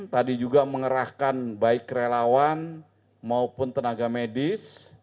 tadi juga mengerahkan baik relawan maupun tenaga medis